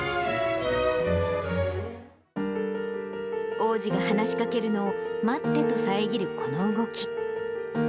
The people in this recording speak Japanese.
王子が話しかけるのを待ってと遮るこの動き。